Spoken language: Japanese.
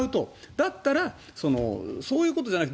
だったらそういうことじゃない。